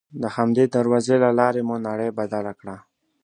د همدې دروازې له لارې مو نړۍ بدله کړه.